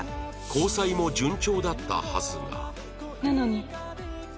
交際も順調だったはずが